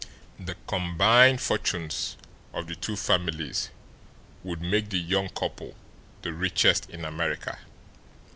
The combined fortunes of the two families would make the young couple the richest in America.